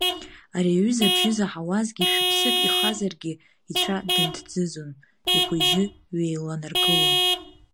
Ари аҩыза абжьы заҳауазгьы шәыԥсык ихазаргьы ицәа дынҭӡыӡон ихәы-ижьы ҩеиланаргылон.